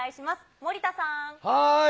森田さん。